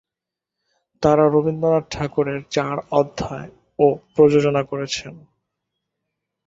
তারা রবীন্দ্রনাথ ঠাকুরের চার অধ্যায়-ও প্রযোজনা করেছে।